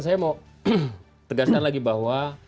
saya mau tegaskan lagi bahwa